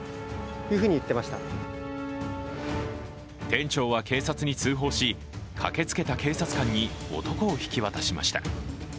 店長は警察に通報し駆けつけた警察官に男を引き渡しました。